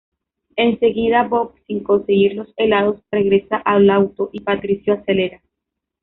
Enseguida Bob, sin conseguir los helados, regresa al auto y Patricio acelera.